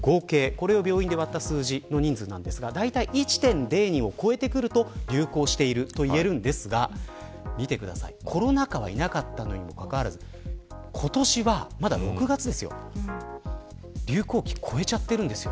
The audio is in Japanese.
これを病院の数字で割った数なんですが１．０人を超えると流行しているといえますがコロナ禍はいなかったのにもかかわらず今年はまだ６月なのに流行期を超えています。